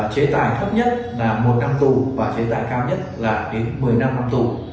chế tài thấp nhất là một năm tù và chế tài cao nhất là đến một mươi năm năm tù